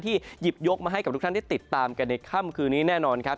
หยิบยกมาให้กับทุกท่านได้ติดตามกันในค่ำคืนนี้แน่นอนครับ